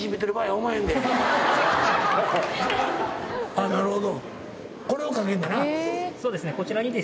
あっなるほど。